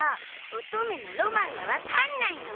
乙女のロマンがわかんないの！